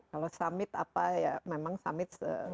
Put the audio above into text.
kalau summit apa ya memang summit